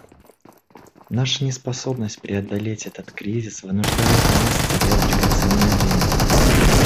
Наша неспособность преодолеть этот кризис вынуждает нас терять драгоценное время.